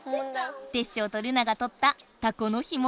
テッショウとルナがとったタコの干物。